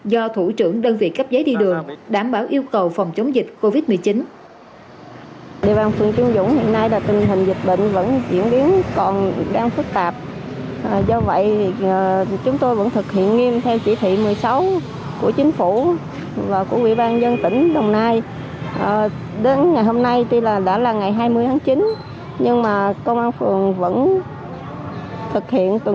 do thủ trưởng đơn vị cấp giấy đi đường đảm bảo yêu cầu phòng chống dịch covid một mươi chín